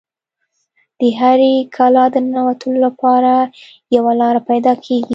د هرې کلا د ننوتلو لپاره یوه لاره پیدا کیږي